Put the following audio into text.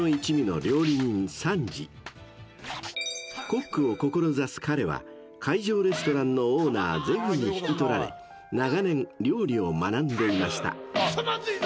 ［コックを志す彼は海上レストランのオーナーゼフに引き取られ長年料理を学んでいました］